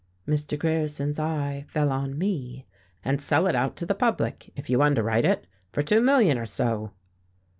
(Mr. Grierson's eye fell on me), "and sell it out to the public, if you underwrite it, for two million or so."